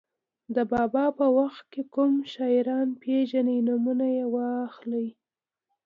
د بابا په وخت کې کوم شاعران پېژنئ نومونه یې واخلئ.